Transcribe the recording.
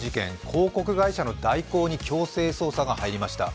広告会社の大広に強制捜査が入りました。